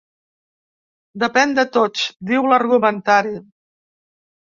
Depèn de tots, diu l’argumentari.